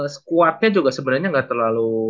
squadnya juga sebenarnya gak terlalu